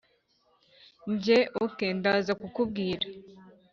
njye: ok, ndaza kukubwira